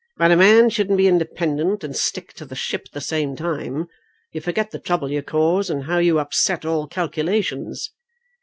"But a man shouldn't be independent and stick to the ship at the same time. You forget the trouble you cause, and how you upset all calculations."